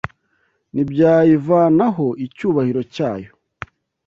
ntibyayivanaho icyubahiro cyayo